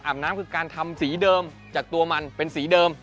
น้ำคือการทำสีเดิมจากตัวมันเป็นสีเดิม